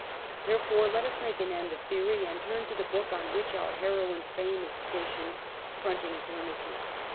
Therefore let us make an end of theory and turn to the book on which our heroine's fame is stationed, fronting eternity.